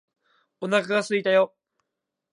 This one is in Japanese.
お腹がすいたよ